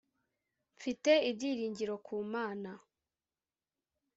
mfite ibyiringiro ku mana .